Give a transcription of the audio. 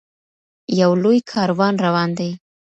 یو لوی کاروان روان دی.